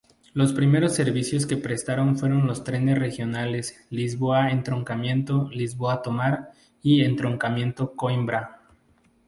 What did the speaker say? Los primeros servicios que prestaron fueron los trenes regionales Lisboa-Entroncamento, Lisboa-Tomar, y Entroncamento-Coïmbra.